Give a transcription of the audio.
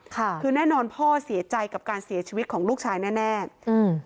ค่ะคือแน่นอนพ่อเสียใจกับการเสียชีวิตของลูกชายแน่แน่อืม